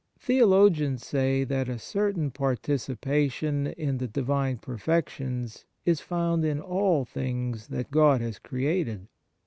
THEOLOGIANS say that a certain participation in the Divine perfec tions is found in all things that God has created.